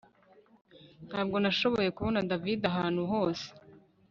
Ntabwo nashoboye kubona David ahantu hose